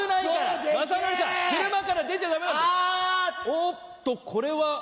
おっとこれは。